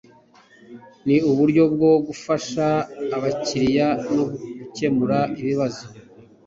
ni uburyo bwo gufasha abakiriya no gukemura ibibazo